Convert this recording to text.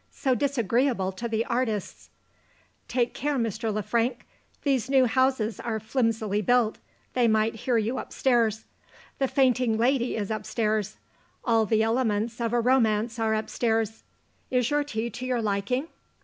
So disagreeable to the artists." "Take care, Mr. Le Frank! These new houses are flimsily built; they might hear you upstairs. The fainting lady is upstairs. All the elements of a romance are upstairs. Is your tea to your liking?"